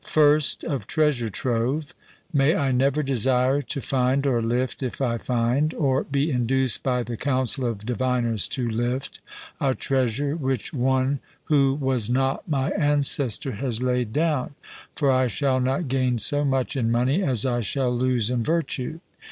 First, of treasure trove: May I never desire to find, or lift, if I find, or be induced by the counsel of diviners to lift, a treasure which one who was not my ancestor has laid down; for I shall not gain so much in money as I shall lose in virtue.